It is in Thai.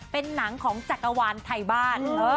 เป็นหนังของจักรวาลไทยบ้าน